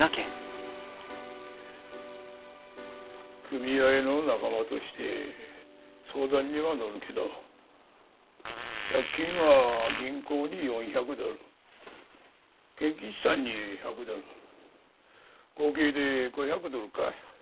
組合の仲間として相談には乗るけど借金は銀行に４００ドル賢吉さんに１００ドル合計で５００ドルか。